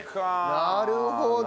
なるほど！